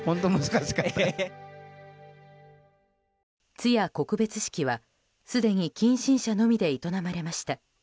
通夜・告別式は、すでに近親者のみで営まれました。